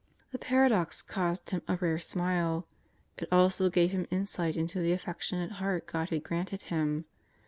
The paradox caused him a rare smile. It also gave him insight into the affectionate heart God had granted him.